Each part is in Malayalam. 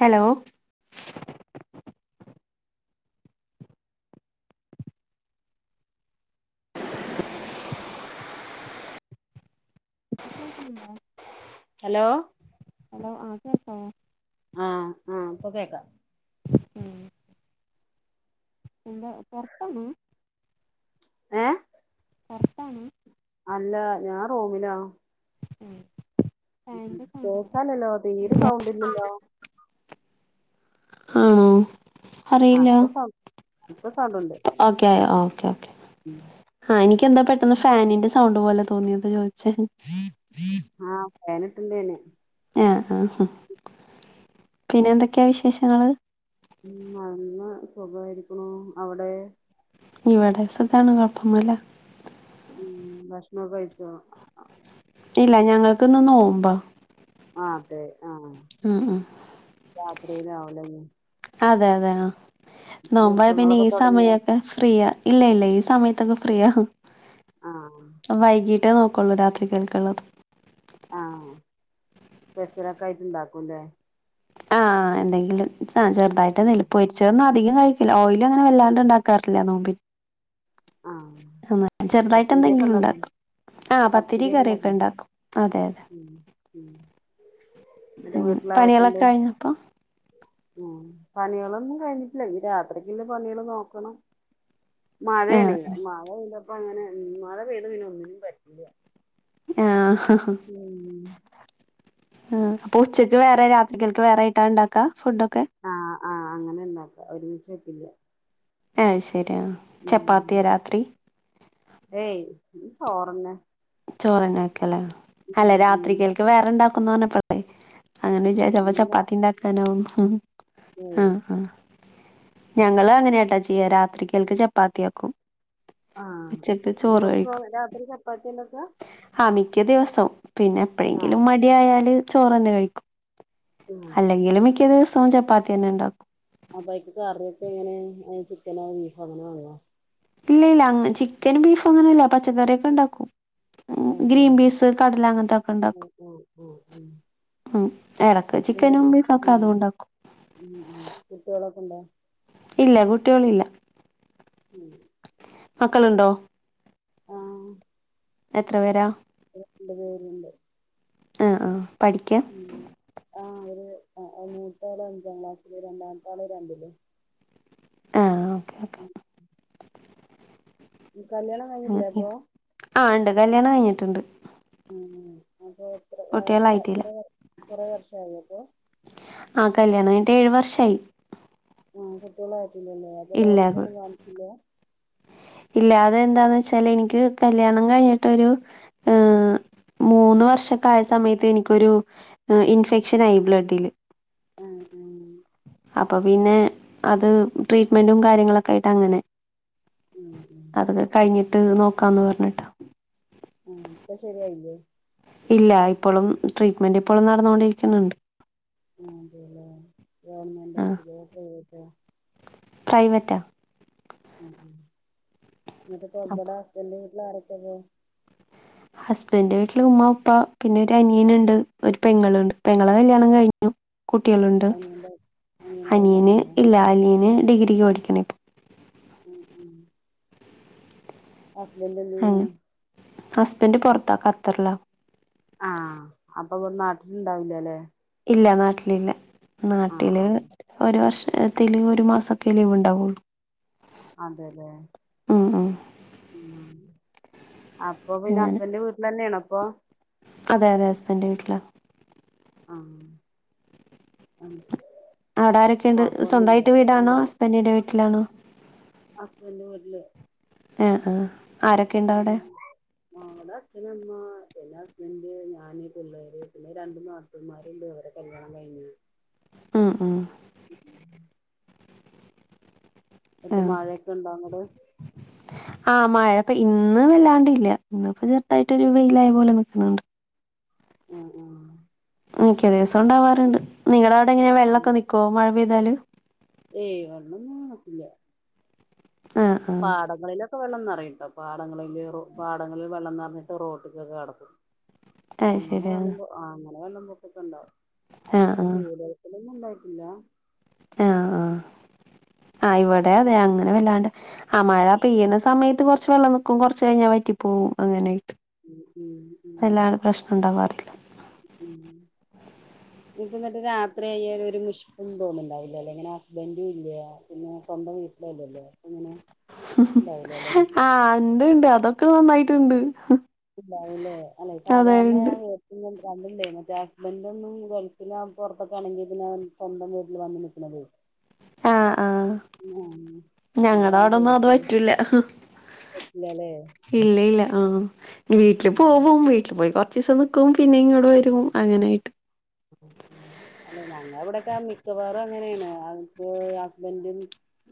ഹലോ കേൾക്കുന്നുണ്ടോ ഹലോ ഹലോ ആ കേൾക്കാവോ ആഹ ആഹ്പ്പൊ കേക്ക എന്താ പൊറത്താണോ ഏ അകത്താണോ അല്ല ഞാൻ റോമിലാ ഉ ഫാനിന്റെ സൗണ്ടോ കേൾക്കാലല്ലോ തീരെ സൗണ്ടല്ലല്ലോ ആണോ അറിയില്ല ആപ്പൊപ്പ ഓക്കെ ഓക്കേ ഓക്കേ ഉം. ആഹ എനിക്ക് എന്താ പെട്ടെന്ന് ഫാനിന്റെ സൗണ്ട് പോലെ തോന്നിയത് ചോദിച്ച വേൻിട്ടണ്ടേെ ആഹ ആ പിന്നെ എന്തൊക്കെയാ വിശേഷങ്ങള് ഉം നടന്ന് സുഖമായിരിക്കണു അവിടെ ഇവിടെ സുഖാണ് കൊഴപ്പന്നല്ല ഉം ഭക്ഷണം ക കഴിച്ചോ ഇല്ല ഞങ്ങൾക്ക്ിന്ന് നോവുമ്പോ ആ അതെ അേല്ലാവല്ലും അതെ അതെ നോമ്പ പിന്നെ ഒരുക്കങ്ങളൊക്കെ ഈ തൊടങ്ങിയോ സമയൊക്കെ ഫ്രീയ ഇല്ല ഇല്ല ഈ സമയത്തൊക്കെ ഫ്രീയ ആഹ മറ്റേ നോക്കുള്ളൂ രാത്രി കേൾക്കുള്ളത് സ്പെഷലൊക്കെ ആയിട്ട് ഇണ്ടാക്കുംല്ലേ ആഹ എന്തെങ്കിലും ആ ചെറുതായിട്ട് ഉം നപ്പൊരിച്ച അധികം കഴിക്കില്ല ഓയിലും അങ്ങനെ വല്ലാണ്ട് ഉണ്ടാക്കാറില്ല നോമ്പി ആഹ് എന്ന ചെറുതായിട്ട് പത്തിരിയൊക്കെ എന്തെങ്കിലും ഇണ്ടാക്കും ഉണ്ടാക്കും ആഹ പത്തിരി പത്തിരിയൊക്കെ കറൊക്കെ ഇണ്ടാക്കും ഉണ്ടാക്കും അതെ അതെ ഉം ഉം എന്നിട്ട് അങ്ങനെ വീട്ടിലാരൊക്കെണ്ട് പണികളൊക്കെ കഴിഞ്ഞപ്പോ ഉം പണികളൊന്നും കഴിഞ്ഞിട്ടില്ല ഈ രാത്ക്കുള്ള പണികള് നോക്കണം ആ മഴയണ്യ മഴ പെയ്തപ്പോ അങ്ങനെ മഴ പെയ്ത പിനെ ഒന്നിനും പറ്റില്ല ആഹ ഉം ഉ അപ്പൊ ഉച്ചക്ക് വേറെ രാത്കൾക്ക് വേറെ ആട്ടാ ഉണ്ടാക്കാ ഫുഡൊക്കെ ആഹ് ആഹ് അങ്ങനെ ഇണ്ടാക്കാ ഒരുമിച്ച് വെപ്പില്ല ശരിയാ ചപ്പാത്തിയ രാത്രി ഏയ് ചോറന്നെ ചോറനക്കല്ല ഉം അല്ല ഉം രാത്രി കേൽക്ക് വേറെണ്ടാക്കുന്ന പറഞ്ഞപ്പേ അങ്ങനെ വിചാ ചപ്പ ഇല്ല ചപ്പാത്തി ഉണ്ടാക്കാനാവും ആ ഏയ് ആ ഞങ്ങള് അങ്ങനൊട്ടാ ചെയ്യ രാത്രിക്കൽക്ക് ചപ്പാത്തിയാക്കും ആഹ ഉച്ചക്ക് ചോറ് ദിവസം രാത്രി ചപ്പാത്തില്ലൊക്കെ ആമിക്ക് ദിവസവും പിന്നെ എപ്പഴെങ്കിലും മടിയായല് ചോറ് തന്നെ കഴിക്കും ആഹ് അല്ലെങ്കിലും മിക്ക ഏത് ദിവസവും ചപ്പാത്തി തന്നെ ഉണ്ടാക്കും അപ്പക്ക് കറിയൊക്കെ എങ്ങനെ ചിക്കനോ ബീഫോ അങ്ങനെ വേണോ ഇല്ല ഇല്ല അ ചിക്കനും ബീഫും അങ്ങനല്ല പച്ചക്കറിയൊക്കെ ഉണ്ടാക്കും ഉം ഉം ഗ്രീൻ പീസ് കടല അങ്ങനത്തൊക്കെ ഉം ഉണ്ടാക്കും ഉം ഉ അത് ഉ ഉ കുട്ടികളൊക്കെ ഉണ്ടോ ഇല്ല കുട്ടികളില്ല ഉം മക്കളുണ്ടോ ആഹ എത്ര വേരാ രണ്ട് പേരുണ്ട് ആഹ ആഹ ഉ ആഹ ഒരു ആ നൂറ്റാള് അഞ്ചാം ക്ലാസ്സില് രണ്ടാമ താള് രണ്ടില് ക്ക കല്യാണം കഴിഞ്ഞിട്ടില്ലേ അങ്ങന അപ്പൊ ആഹ ഉണ്ട് കല്യാണം കഴിഞ്ഞിട്ടുണ്ട് ഉ അപ്പൊ എത്ര കുട്ടികളായിട്ടില്ല കൊറെ വർഷയി അപ്പൊ ആ് കല്യാണം അട്ട ഏഴു വർഷയി ആഹ കുട്ടികള ആട്ടില്ലല്ലേ അപ്പൊ ഡോക്ടറെ ഒന്നും കാണിച്ചില്ല ഇല്ലാതെ എന്താന്ന് വെച്ചാല് എനിക്ക് കല്യാണം കഴിഞ്ഞിട്ടൊരു ഏർ മൂന്ന് വർഷക്കായ സമയത്ത് എനിക്കൊരു ഇൻഫെക്ഷൻ ആായി ബ്ലഡില് ഉഹ ഉ അപ്പൾ പിന്നെ അത് ട്രീറ്റ്മെൻറും കാര്യങ്ങളൊക്കെ ആയിട്ട് അങ്ങനെ ഉം ഉം അതൊക്കെ കഴിഞ്ഞിട്ട് നോക്കാംന്ന് പറഞ്ഞിട്ടോ ആഹ ഇപ്പ ശരിയായില്ലേ ഇല്ല ഇപ്പോഴും ട്രീറ്റ്മെന്റ് ഇപ്പോഴും നടന്നൊണ്ടിരിക്കുന്നുണ്ട് ആ അതല്ലോ ഗവർമെന്റ്ട്ട പ്രൈവറ്റ ആ എന്നിട്ട അപ്പൊ കൊറബയുടെ ഹസ്ബൻഡ് വീട്ടില ആാരൊക്കെ പോ ഹസ്ബൻഡന്റെ വീട്ടില് ഉമ് ഉപ്പ പിന്നെ ഒരു അനിയൻ ഉണ്ട് ഒരു പെങ്ങളുണ്ട് പെങ്ങളെ കല്യാണം കഴിഞ്ഞു കുട്ടികളുണ്ട് അനിയന്റെ അനിയന്റെ കല്യാണം അനിയന് കഴിഞ്ഞോ ഇല്ല അനിയന് ഡിഗ്രിക്ക് ഓടിക്കണ ഇപ്പ ഉം ഉ ഹസ്ബല്ലന ഹസ്ബൻഡറ് പുൊറത്ത കത്തറല്ല ആഹ അപ്പൊ നാട്ടില ഇണ്ടാവില്ലേല്ലെ ഇല്ല നാട്ടിലില്ല ആഹ് നാട്ടില് ആഹ് ഒരു വർഷ തെല് ഒരു മാസമൊക്കെ ലീവ്ണ്ടാവുള്ളൂ അതെല്ലേ ഉം ഉ അപ്പൊ പിന്നെ അങ്ങനെ ഹസ്ബൻഡന്റെ വീട്ടിൽ തന്നെയണ അപ്പൊ അതെ അതെ ഹസ്ബൻഡ്റെ വീട്ടില ആഹ ആ അവിടെ ആാരൊക്കെയ ഉണ്ട് സ്വന്തമായിട്ട് വീടാണോ ഹസ്ബൻറിന്റെ വീട്ടിലാണോ ഹസ്ബന്ഡ വീട്ടില് ആഹ ആ ആരൊക്കെ ഉണ്ടോ അവിടെ എന്റെ ഹസ്ബന്ഡ് ഞാന് പിള്ളേര് പിന്നെ രണ്ട മൂ നാട്ടന്മാര്ണ്ട് അവടെ കല്യാണം കഴിഞ്ഞു ആ ആ മറ്റു ആഹ് മഴയൊക്കെ ഇണ്ടോ അങ്ങടെ ആഹ് മഴപ്പ ഇന്നും വല്ലാണ്ട് ഇല്ല ഇന്ന ഇപ്പോ ചെറത്തായിട്ട്രു വെയിലായ പോലെ നക്കുന്നുണ്ട് ആഹ് ആഹ് മിക്കേ ദിവസം ഉണ്ടാവാറുണ്ട് നിങ്ങള അവിടെ ഇങ്ങനെ ഉം വെള്ളമൊക്കെ നിക്കക്കോ മഴ പെയ്താലല് ഏയ് വണം ഞാൻത്തില്ല ആഹ് ആഹ് പാടങ്ങളില് െ വെള്ളം നിറ കേട്ടോ പാടങ്ങളിൽ പാടങ്ങളിൽ വെള്ളം നിറഞ്ഞിട്ട് റോട്ടിക്കൊക്കെ കടക്കും അത് അങ്ങനെ ശരി ആഹ് വെള്ള അങ്ങനെ വെള്ളം പൊക്കൊക്കെണ്ടാവോ ആഹ് അല്ലാതെ വീടുക്കൊന്നും ഉണ്ടായിട്ടില്ല ആഹ ആഹ ആ ഇവിടെ അതെ അങ്ങനെ വല്ലാണ്ട് ആ മഴ പെയ്യണ സമയത്ത് കൊറച്ച് വെള്ളം നൽക്കും കുറച്ച് കഴിഞ്ഞാൽ വറ്റി പോവും അങ്ങനെ ഉം ഉം ഉം അതല്ലാ പ്രശ്നം ഉണ്ടവാ ഉം ഇനിപ്പ എന്നിട്ട് രാത്രിയ്യാല് ഒരു മുഷ്പം തോന്നുന്നുണ്ടാവില്ല അല്ലെ ഇങ്ങനെ ഹസ്ബൻഡും ഇല്ല പിന്നെ സ്വന്തം വീട്ടിലല്ലലോ ആ എന്റെ ഉണ്ട് അതൊക്കെ നന്നായിട്ടുണ്ട് ണ്ടാവല്ലേ അല്ലെ അതെ സാധാരണ ഉണ്ട് ഞാൻ കേ കണ്ടില്ലേ മറ്റേ ഹസ്ബൻഡ ഒന്നും ഗൾഫിന പുറത്തൊക്കെ ആണെങ്കി ഇതിനൻ സ്വന്തം വീട്ടിൽ വന്ന നൽക്കണുന്നത് ആഹ ആഹ അതാ ഞങ്ങളുടെ ഞാൻ അവിടെന്നും അത് ചോദിച്ചത് പറ്റൂല പറ്റില്ലല്ലേ ഇല്ല ഇല്ല ആഹ വീട്ടില് ഉം പോവും വീട്ടിൽ പോയി കൊറച്ച ദിവസം നിക്കും പിന്നെ ഇങ്ങനെ വരും അങ്ങനൊയിട്ട് അല്ലെ ഞങ്ങ അവിടെൊക്കെ മിക്കവാറും അങ്ങനെയാണ് അതിപ്പോൊ ഹസ്ബൻറും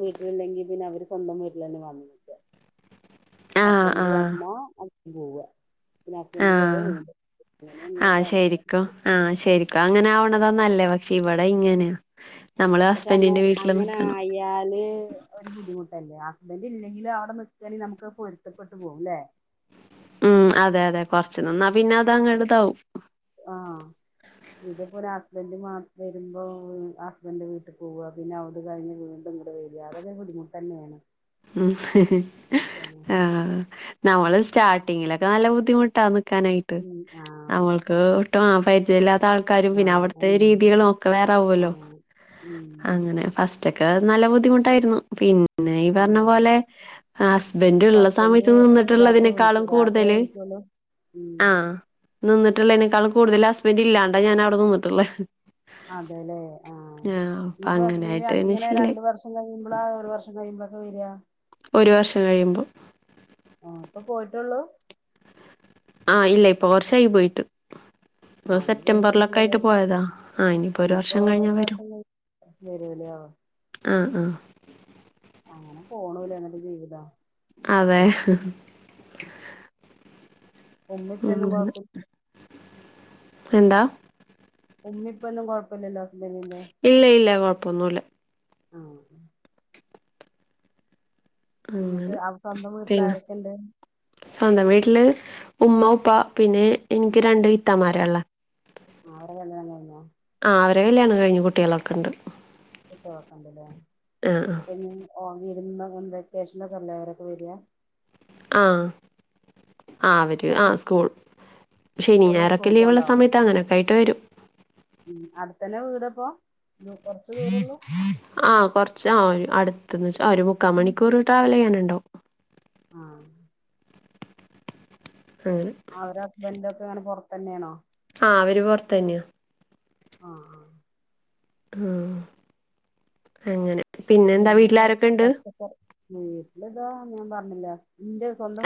വീട്ടിലുണ്ടെങ്കിൽ പിന്നെ അവര് സ്വന്തം വീട്ടിൽ തന്നെ വന്നിട്ട് [unintelligible] ആ ആ ഹസ്ബൻഡ് വന്ന അ പോവാ പിന്നെ ഹസ്ബന്ഡ ആ പോയ ആ അങ്ങനെയള്ളവരാണ്ത ശരിക്കും ആ ശരിക്കും അങ്ങനെ ആവണതന്നല്ലേ പക്ഷെ ഇവിടെ ഇങ്ങനെയാ നമ്മള് പക്ഷെ അങ്ങന ഹസ്ബൻഡിന്റെ വീട്ടിൽ അങ്ങനെ നിക്കണം ആയാല് ഒരു ബുദ്ധിമുട്ടല്ലേ അന്റെ ഇല്ലെങ്കിലും അവിടെ നിക്കണ നമുക്ക് പൊരുത്തപ്പെട്ട് പോകല്ലേ ഉം അതെ അതെ കൊറച്ച് നന്നാ പിന്നെ അത അങ്ങടുതാവും ഇത്പ്പോ ഹസ്ബന്ഡ് മാസം വരുമ്പോ ഹസ്ബൻഡറ് വീട്ടിൽ പോവാ പിന്നെ അവിട് കഴിഞ്ഞ് നിുടെ വരിര്യാതൊ ബുദ്ധിമുട്ട് തന്നെയാണ് ഉ ആഹ നമ്മള് സ്റ്റാർട്ടിങ്ങിലൊക്കെ നല്ല ബുദ്ധിമുട്ടാ നിക്കാനായിട്ട് ഉം ആഹ് നമ്മൾക്ക് [unintelligible] ആൾക്കാരും പിന്നെ ആഹ് അവിടുത്തെ ഉം രീതികള ഒക്കെ വേറാവല്ലോ ആഹ് ഉം അങ്ങനെ ഫസ്റ്റ് മറ്റക്ക നല്ല ബുദ്ധിമുട്ടായിരുന്നു പിന്നെ പിന്നെ ഈ ഉം പറഞ്ഞ പോലെ ഹസ്ബൻഡ അപ്പൊ ഉള്ള ഹസ്ബൻഡ് സമയത്ത് രാത്രി വിളിക്കു നിന്നിട്ടുള്ളതിനെക്കാളും രാത്രിയേ കൂടുതല് വിളിക്കുള്ളൂ ഉം ആഹ് നിന്നിട്ടുള്ളേതിനനെക്കാൾ കൂടുതൽ ഹസ്ബൻറ് ഇല്ലാണ്ടാ ഞാൻ അവിടെ നിന്നിട്ടുള്ളേ അതെല്ലേ ആഹ അപ്പൊ ഇനിപ്പോ അങ്ങനെയായിട്ട് പിന്നെ ഇങ്ങനെ ശീലായി. രണ്ട് വർഷം കഴിയുമ്പോളാ ഒരു വർഷം കഴിയുമ്പോഴൊക്കെ വരിക ഒരു വർഷം കഴിയുമ്പം ആഹ ഇപ്പൊ പോയിട്ടുള്ളൂ ആഹ ഇല്ല ഇപ്പൊ ർച്ചായി പോയിട്ട് ഇപ്പൊ ആഹ് ഇനിയിപ്പോ ഒരു വർഷം സെപ്റ്റംബറിലൊക്കെ ആയിട്ട് കഴിയാതെ പോയതാ ആ ഇനിയിപ്പോൊ ഒരു ഇനിയിപ്പോ വർഷം കഴിഞ്ഞ ഒരു വരും വർഷം [inaudible] ആഹ അത് ജീവിതം അതെ [inaudible] ഉം. അങ്ങനെ. [unintelligible] എന്താ ഉമ്മി ഇപ്പൊന്നും കുഴപ്പമില്ലല്ലോ ഇല്ല ഇല്ല കൊഴപ്പൊന്നുമല്ല ആഹ എന്നിട്ട് അങ്ങനെ അവ സ്വന്തം വീട്ടില പിന്നെ ആരൊക്കെുണ്ട് സ്വന്തം വീട്ടില് ഉമ്മ ഉപ്പ പിന്നെ എനിക്ക് രണ്ടു ഇത്തമാര ഉള്ള ആ അവടെ വല്ല തന്നെന്ന അവരെ കല്യാണം കഴിഞ്ഞഞ് കുട്ടികളൊക്കെ ഉണ്ട് ക്കണ്ടല്ലേ ആ ഓരുമ്പ വെക്കേഷൻ ഒക്കെ അല്ലേ അവരൊക്കെ വരിയാ ആ ആ വരൂ അവരെ ആ സ്കൂൾ പക്ഷെ ഇനി കുട്ടികള് ഞരൊക്കെ സ്കൂൾക്ക് ലീവ്ള്ള കൊണ്ടാവോ സമയത്ത് അങ്ങനൊക്കെ ആയിട്ട് വരും ഉം അടുത്തന്നെ വീട്പ്പോ ആഹ കൊറച്ച് ആ ഒരു അടുത്തന്ന് ഒരു മുക്കാ മണിക്കൂർ ട്രാവൽ ചെയ്യാനുണ്ടോ ആഹ് അവടെ ഹസ്ബൻഡ് ഒക്കെ അങ്ങനെ പുറത്ത തന്നെയാണോ ആ അവര് പുറത്ത തന്നെയ ആഹ് ആഹ് ഉ അങ്ങനെ പിന്നെ എന്താ പ വീട്ടിലാരൊക്കെ ഉണ്ട് പച്ചക്കറി വീട്ടിലിതാ ഞാൻ പറഞ്ഞില്ല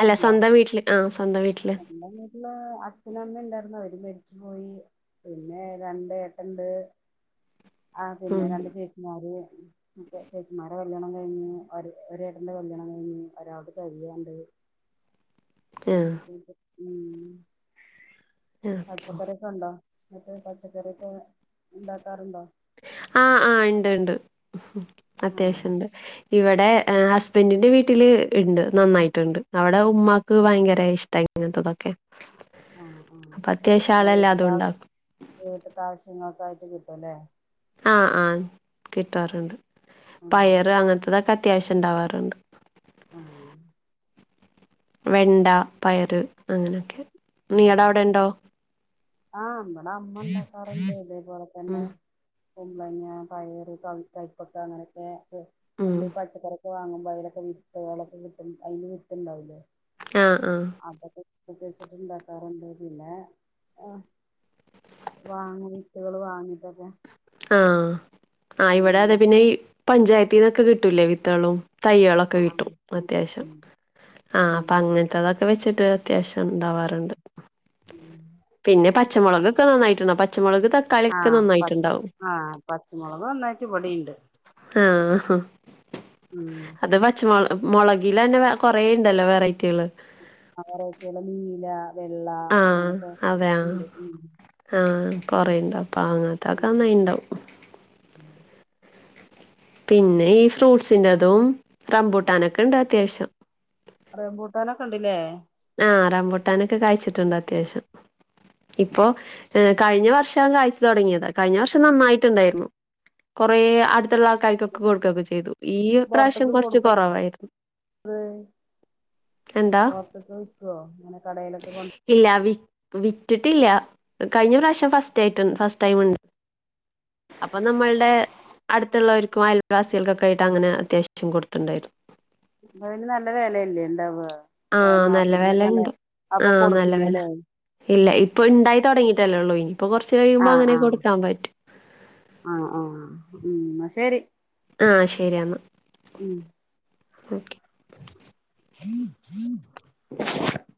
അല്ല സ്വന്തം വീട്ടില് ആ സ്വന്തം വീട്ടില് എന്റെ വീട്ടില് അച്ഛനും അമ്മ ഉണ്ടായിരുന്നു അവര് മേട പോയി പിന്നെ രണ്ട ഏട്ടണ്ട് ആഹ പിന്നെ ഉം രണ്ട് ചേച്ചമാര് [inaudible] ചേച്ചിമാരുടെ കല്യാണം കഴിഞ്ഞഞ് ഒ ഒേട്ടന്റെ കല്യാണം കഴിഞ്ഞ് ഒരാൾക്ക് കഴിയാണ്ട് [inaudible] ഉ ആ ഓക്കെ പച്ചക്കറൊക്കെ ഉണ്ടോ മറ്റേ പച്ചക്കറൊക്കെ ഉണ്ടാക്കാറുണ്ടോ ആഹ ആഹ ഉണ്ട് ഉണ്ട് ആഹ് അത്യാവശ്യംുണ്ട് ഇവിടെ ഹസ്ബൻറിിന്റെ വീട്ടില് ഉണ്ട് നന്നായിട്ടുണ്ട് അവിടെ ഉമ്മാക്ക് ഭയങ്കര ഇഷ്ടമായി അങ്ങനത്തെതൊക്കെ ആഹ ആഹ അപ്പൊ വീട്ട ആളെല്ലാതും ഉണ്ടാക്കും വീട്ട ആാവശ്യങ്ങൾക്ക ആായിട്ട് കിട്ടും ല്ലേ ആഹ ആഹ കിട്ടാറുണ്ട് ഉം പയറ് അങ്ങനത്തതൊെ അത്യാവശ്യം ഉണ്ടാവാറുണ്ട് ആഹ വെണ്ട പയറ് അങ്ങനെയൊക്കെ നീട ഉം അവിടെ ഉണ്ടോ ആഹ് നമ്മടെ അമ്മ ഉണ്ടാക്കാറുണ്ട് ഇതേപോലെ തന്നെ ഉം കുമ്പളങ്ങ പയറ് ക കൈപ്പൊക്ക അങ്ങനെയൊക്കെ ഉം നമ്മള് ഈ പച്ചക്കറൊക്കെ വാങ്ങുമ്പോ വയലക്കെ വിട്ടൊക്കെ കട്ട അതിന് വിട്ടണ്ടാവില്ലേ ആ ആ അൊ ഇന്താാക്കറന്തരില്ല ആഹ വാങ്ങ മട്ടുകള് വാങ്ങിട്ടൊക്കെ ആഹ ആ് ഇവിടെ അതെ ഉം പിന്നെ ഈ പഞ്ചായത്തിന്നൊക്കെ കിട്ടൂലേ വിത്തളും തയകളൊക്കെ ആഹ് കിട്ടും ഉം അത്യാവശ്യം ഉം ആഹ് അപ്പൊ ഉം അങ്ങനത്തെതൊക്കെ വെച്ചി അത്യാവശ്യം ഉണ്ടാവാറുണ്ട് ഉം പിന്നെ പച്ചമുളക്ൊക്കെ നന്നായിട്ടുണ്ട പച്ചമുളക് തക്കാളിൊെ നന്നായിട്ട്ുണ്ടാവും ആഹ പച്ചമുളക് എന്നന്നാച്ച പൊടിിയുണ്ട് ആ അത് പച്ചമു മുളകയിലന്നെ കൊറ ഇണ്ടല്ലോ വെറൈറ്റികള് ആറക്കെയുള്ള നീല വെള്ള ആ അങ്ങനെയൊക്കെ ഉണ്ട് കൊറെണ്ട് അപ്പൊ അങ്ങത്തൊക്കെന്നായിണ്ടാവും ഉം പിന്നെ ഈ ഫ്രൂട്ട്സിന്റെതും റമ്പൂട്ടാനൊക്കെ ഇണ്ട് അത്യാവശ്യം അറിയ പൂട്ടാനൊക്കെ ഉണ്ടില്ലേ ആ റമ്പൊട്ടാനൊക്കെ കഴിച്ചിട്ടുണ്ട്ോ അത്യാവശ്യം ഇപ്പോൊ ഏർ കഴിഞ്ഞ വർഷ കാഴ്ച തുടങ്ങിയത് കഴിഞ്ഞ വർഷം നന്നായിട്ടുണ്ടായിരുന്നു കുറെ അടുത്തുള്ള കൈക്കൊക്കെ കൊടുക്കൊക്കെ ചെയ്തു ഈ പ്രാവശ്യം പുറത്തേക്ക് കുറച്ച് കൊടുക്ക കൊറവായിരുന്നു എന്താ ഒക്കെ വിൽകോ അങ്ങനെ കടയിലൊക്കെ കൊണ്ട് ഇല്ല വി വിറ്റിട്ടില്ല കഴിഞ്ഞ പ്രാവശ്യം ഫസ്റ്റ് ആയിട്ടുണ്ട് ഫസ്റ്റ് ടൈമുണ്ട് അപ്പൊ നമ്മള്ടെ അടുത്തുള്ളവർക്കും അയൽവാസികൾക്കൊക്കെ ആയിട്ട് അങ്ങനെ അത്യാവശ്യം കൊടുത്തുണ്ടായിരുന്നു അയ്ന് നല്ല വിലല്ലേ ഉണ്ടാവ ആ ആഹ് നല്ല മാർക്കറ്റിലൊക്കെ നല്ല വെലയുണ്ട്. അപ്പൊ ആഹ് നല്ല വെല. കൊടുക്കില്ലല്ലേ ഇല്ല ഇപ്പൊ ഉണ്ടായി തുടങ്ങിട്ടല്ലേ ഒള്ളു ഇനിയിപ്പോ കുറച്ച് കഴിയുമ്പോ അങ്ങനെ കൊടുക്കാൻ പറ്റും ആ ആ ഉം ഇന്നാ ശരി ആ ശരിയാ ന്നാ ഉം ഓക്കെ [unintelligible]